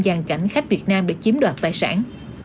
giàn cảnh khách việt nam để chiếm đoạt tài sản